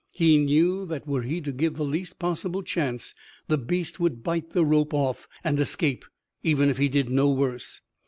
He knew that were he to give the least possible chance the beast would bite the rope off and escape even if he did no worse.